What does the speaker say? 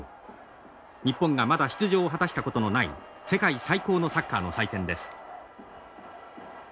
日本がまだ出場を果たしたことのない世界最高のサッカーの祭典です。